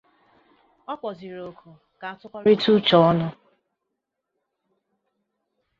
Ọ kpọzịrị òkù ka a tụkọrịta uche ọnụ